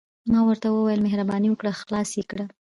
ما ورته وویل: مهرباني وکړه، خلاص يې کړئ.